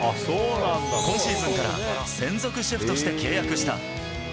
今シーズンから専属シェフとして契約した。